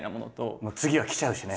もう次が来ちゃうしね